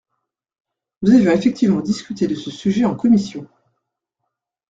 Nous avions effectivement discuté de ce sujet en commission.